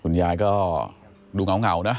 คุณยายก็ดูเหงานะ